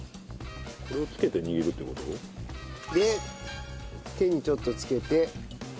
これをつけて握るって事？で手にちょっとつけて。